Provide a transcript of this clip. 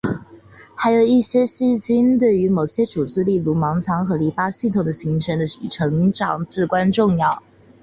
还有一些细菌对于某些组织例如盲肠和淋巴系统的形成与成长至关重要。